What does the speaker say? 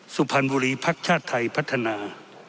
สุพรรณบุรีพรรณชาติไทยพัฒนา